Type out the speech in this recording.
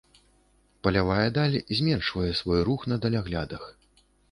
Палявая даль зменшвае свой рух на даляглядах.